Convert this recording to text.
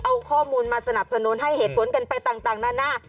เอาข้อมูลมาสนับสนุนให้เหตุผลกันไปต่างนานา